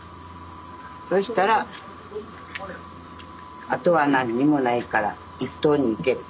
そしたらあとは何にもないから一等にいける。